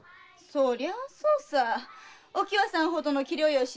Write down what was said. そりゃあそうさお喜和さんほどの器量よし